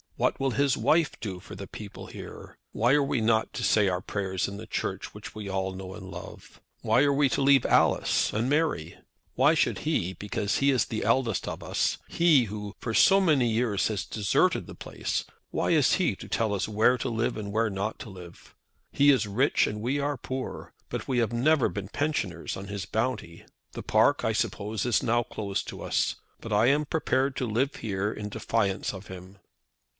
What will his wife do for the people here? Why are we not to say our prayers in the Church which we all know and love? Why are we to leave Alice and Mary? Why should he, because he is the eldest of us, he, who for so many years has deserted the place, why is he to tell us where to live, and where not to live. He is rich, and we are poor, but we have never been pensioners on his bounty. The park, I suppose, is now closed to us; but I am prepared to live here in defiance of him."